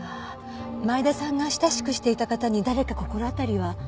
前田さんが親しくしていた方に誰か心当たりは？